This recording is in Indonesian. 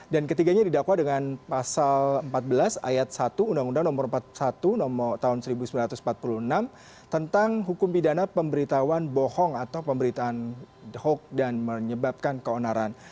dan ketiganya didakwa dengan pasal empat belas ayat satu undang undang nomor empat puluh satu tahun seribu sembilan ratus empat puluh enam tentang hukum pidana pemberitahuan bohong atau pemberitaan huk dan menyebabkan keonaran